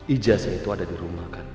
ijazah itu ada di rumah kan